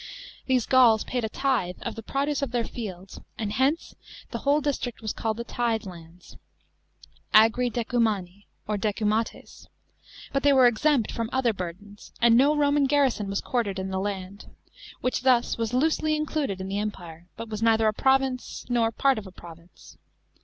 These Gauls paid a tithe of the produce of their fields, and hence the whole district was called " the Tithe lands "— Agri Decumani (or Decumates} ; but they were exempt from other burdens, and no Roman garrison was quartered in the land, which thus was luosely included in the Empire, but was neither a province nor part of a province.